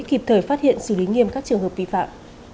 kịp thời phát hiện xử lý nghiêm các trường hợp vi phạm